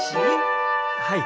はい。